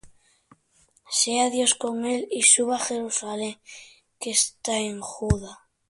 Sea Dios con él, y suba á Jerusalem que está en Judá.